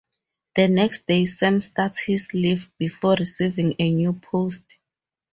The next day Sam starts his leave before receiving a new post.